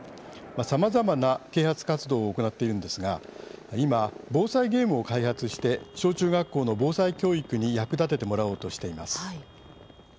さまざまな啓発活動を行っているんですが今、防災ゲームを開発して小中学校の防災教育に役立ててもらおうとしています。